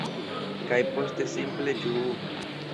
Kaj poste simple ĝuu!